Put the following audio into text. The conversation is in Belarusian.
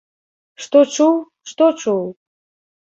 Што чуў, што чуў?